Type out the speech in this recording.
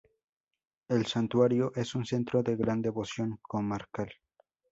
El santuario es un centro de gran devoción comarcal.